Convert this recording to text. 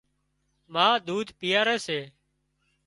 ما ۮوڌ پيئاري سي